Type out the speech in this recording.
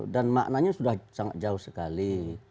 dan maknanya sudah sangat jauh sekali